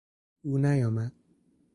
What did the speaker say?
او نیامد.